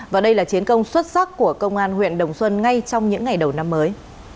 và đây là chiến công xuất sắc của công an huyện đồng xuân ngay trong những ngày đầu năm mới